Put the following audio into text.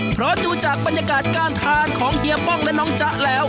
เพราะดูจากบรรยากาศการทานของเฮียป้องและน้องจ๊ะแล้ว